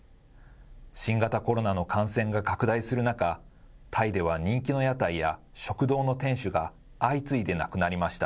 新型コロナウイルスの感染が拡大する中、タイでは人気の屋台や食堂の店主が相次いで亡くなりました。